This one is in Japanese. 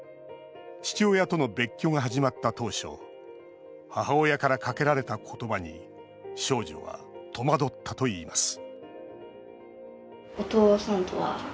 父親との別居が始まった当初母親からかけられた言葉に少女は戸惑ったといいます